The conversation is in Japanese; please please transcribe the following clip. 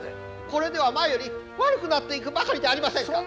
これでは前より悪くなっていくばかりじゃありませんか。